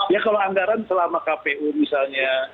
ya kalau anggaran selama kpu misalnya